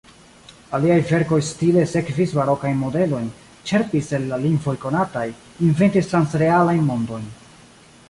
Aliaj verkoj stile sekvis barokajn modelojn; ĉerpis el la lingvoj konataj, inventis transrealajn mondojn.